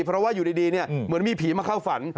เพราะว่าอยู่ดีเหมือนมีผีมาเข้าฝัน